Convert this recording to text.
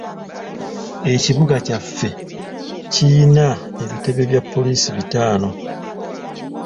Ekibuga kyaffe kiyina ebitebe bya poliisi bitaano.